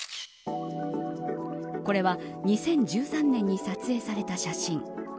これは２０１３年に撮影された写真。